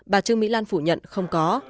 bà chương mỹ lan phủ nhận không có